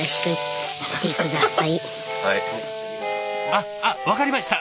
あっあっ分かりました。